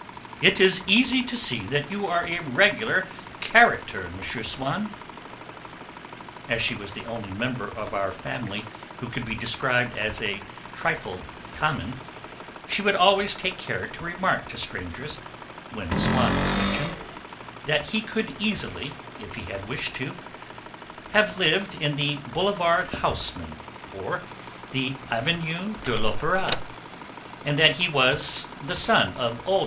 "It is easy to see that you are a regular 'character,' M. Swann!" As she was the only member of our family who could be described as a trifle 'common,' she would always take care to remark to strangers, when Swann was mentioned, that he could easily, if he had wished to, have lived in the Boulevard Haussmann or the Avenue de l'Opéra, and that he was the son of old M.